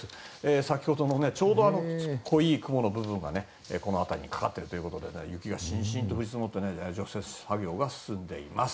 先ほどの濃い雲の部分がこの辺りにかかっているということで雪がしんしんと降り積もって除雪作業が続いています。